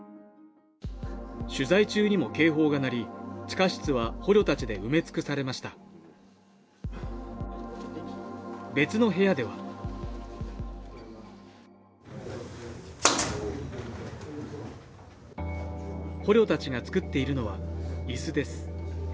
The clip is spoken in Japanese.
取材中にも警報が鳴り地下室は捕虜たちで埋め尽くされました別の部屋では捕虜たちが作っているのはイスです